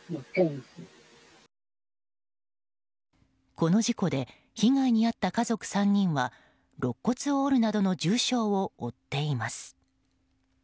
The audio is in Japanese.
この事故で被害に遭った家族３人はろっ骨を折るなどの重傷を負っています。